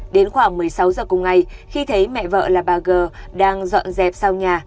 đến khoảng một mươi sáu giờ cùng ngày khi thấy mẹ vợ là bà g đang dọn dẹp sau nhà